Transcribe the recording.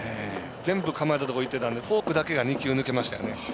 全部構えたところいっていたのでフォークだけが２球抜けましたよね。